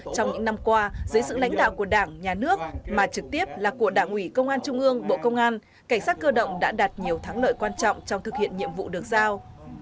trong những năm qua dưới sự lãnh đạo của đảng nhà nước mà trực tiếp là của đảng ủy công an trung ương bộ công an cảnh sát cơ động đã đạt nhiều thắng lợi quan trọng trong thực hiện nhiệm vụ được giao